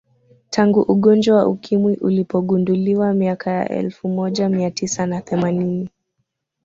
Tangu ugonjwa wa Ukimwi ulipogunduliwa miaka ya elfu moja mia tisa na themanini